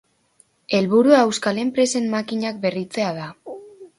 Helburua euskal enpresen makinak berritzea da.